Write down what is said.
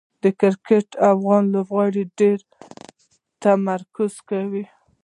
د کرکټ افغان لوبغاړي ډېر تمرکز کوي.